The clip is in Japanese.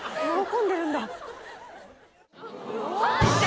喜んでるんだ。